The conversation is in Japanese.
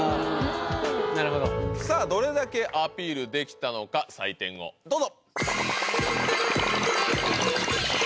なるほどさあどれだけアピールできたのか採点をどうぞ！